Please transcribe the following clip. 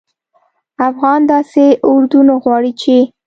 افغانان داسي اردو نه غواړي چې